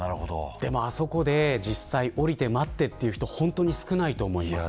あそこで実際、降りて待ってという人は本当に少ないと思います。